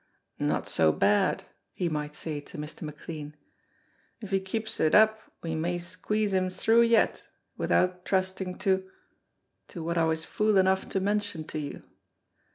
"Not so bad," he might say to Mr. McLean; "if he keeps it up we may squeeze him through yet, without trusting to to what I was fool enough to mention to you.